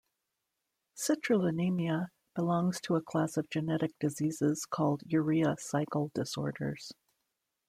Citrullinemia belongs to a class of genetic diseases called urea cycle disorders.